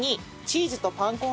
チーズとパン粉。